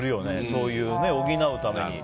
そういうのを補うために。